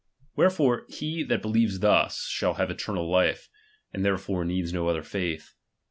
Wherefore he that beljeves thus, shall have eternal life ; aud therefore needs no other faith.